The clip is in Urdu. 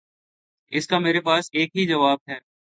اس کا میرے پاس ایک ہی جواب ہے۔